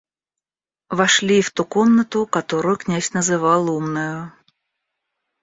Вошли и в ту комнату, которую князь называл умною.